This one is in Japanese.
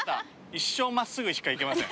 一生真っすぐしか行けません。